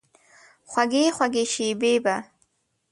خوږې، خوږې شیبې به،